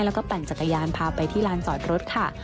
แล้วก็ปั่นจักรยานพาไปที่ลานจอดรถค่ะ